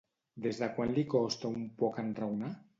Des de quan li costa un poc enraonar?